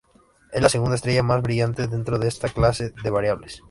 Es la segunda estrella más brillante dentro de esta clase de variables.